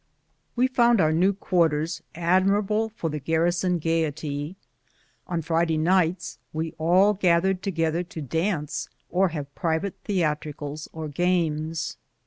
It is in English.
We found our new quarters admirable for the garri son gayety. On Friday nights we all gathered together to dance, or have private theatricals or games.